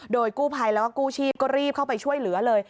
โดยกู้ภัยแล้วก็กู้ชีพก็รีบเข้าไปช่วยเหลือเลย